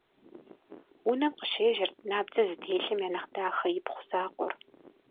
Унэм къыщежьэрт набдзэ зытелъым я нэхъ дахэ ипхъу закъуэр.